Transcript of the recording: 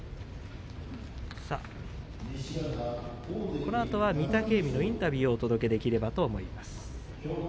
このあとは御嶽海のインタビューをお届けできればと思います。